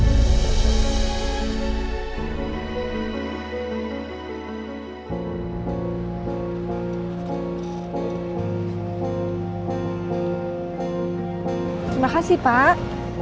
terima kasih pak